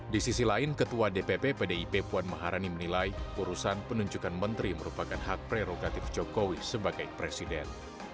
di sisi lain ketua dpp pdip puan maharani menilai urusan penunjukan menteri merupakan hak prerogatif jokowi sebagai presiden